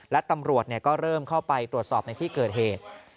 และตำรวจก็เริ่มเข้าไปตรวจสอบในที่เกิดเหตุ